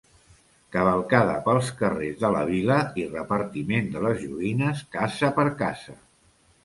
Cavalcada pels carrers de la vila i repartiment de les joguines casa per casa.